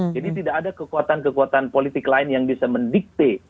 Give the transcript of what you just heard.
jadi tidak ada kekuatan kekuatan politik lain yang bisa mendikte